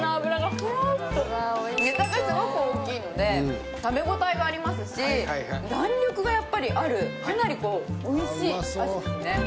ネタがすごく大きいので食べ応えがありますし弾力がやっぱりあるかなり美味しいアジですね。